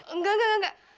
enggak enggak enggak